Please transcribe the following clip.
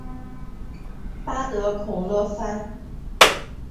巴德孔勒潘。